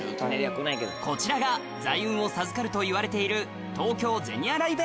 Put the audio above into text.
こちらが財運を授かるといわれている